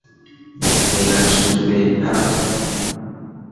Me lah suu ɓe hǝraŋ.